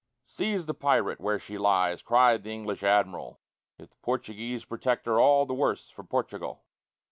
"Seize the pirate where she lies!" cried the English Admiral: "If the Portuguese protect her, all the wors for Portugal!"